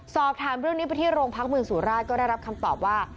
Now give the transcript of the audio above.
สอบถามเรื่องนี้ไปที่โรงพักเมืองสุราชก็ได้รับคำตอบว่า